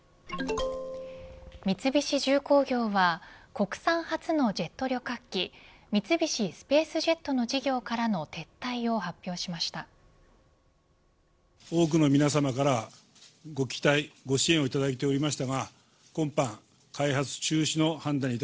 三菱重工業は国産初のジェット旅客機三菱スペースジェットの事業からの撤退を発表しました。